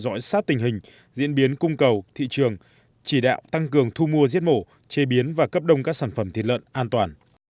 theo dõi sát tình hình diễn biến cung cầu thị trường chỉ đạo tăng cường thu mua giết mổ chế biến và cấp đông các sản phẩm thịt lợn an toàn